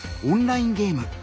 オンラインゲーム。